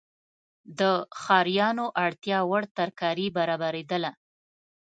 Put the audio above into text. د ښاریانو اړتیاوړ ترکاري برابریدله.